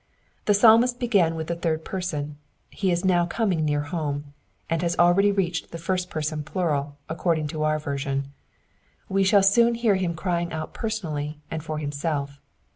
The Psalmist began with the third person : he is now coming near home, and has already reached the first person plural, according to our version ; we shall soon hear him crying out personally and for himself.